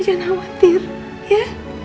jangan khawatir ya